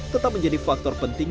tetap menjadi faktor penting